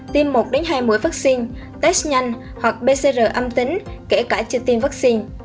tiêm một hai mũi vaccine test nhanh hoặc pcr âm tính kể cả chưa tiêm vaccine